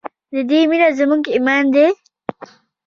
د دې مینه زموږ ایمان دی؟